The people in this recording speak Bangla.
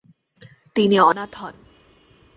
তিনি অনাথ হন।